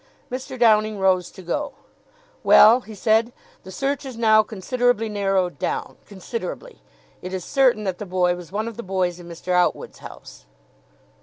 Mr. Downing rose to go. "Well," he said, "the search is now considerably narrowed down, considerably! It is certain that the boy was one of the boys in Mr. Outwood's house."